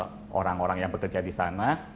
bahwa kami tetap ada orang orang yang bekerja di sana